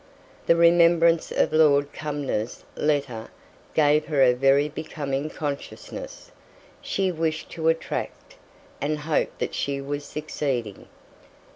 The remembrance of Lord Cumnor's letter gave her a very becoming consciousness; she wished to attract, and hoped that she was succeeding.